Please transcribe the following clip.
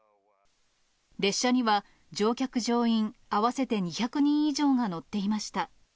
列車には乗客・乗員合わせて２００人以上が乗っていました。